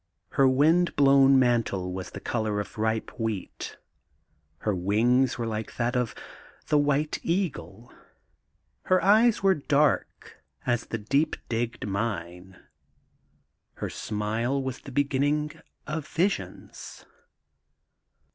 Her wind blown mantle was the color of ripe wheat. Her wings were like those of the white eagle. Her eyes were dark as the deep digged mine. Her smile was the beginning of visions.